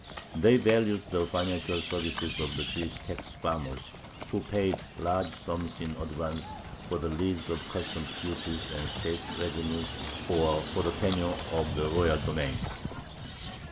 They valued the financial services of the Jewish tax farmers, who paid large sums in advance for the lease of customs duties and state revenues or for the tenure of the royal domains.